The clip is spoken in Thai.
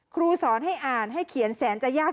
ครูสอนให้อ่านให้เขียนแสนจะยาก